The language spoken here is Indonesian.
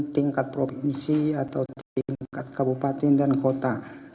tingkat provinsi atau tingkat kabupaten dan kota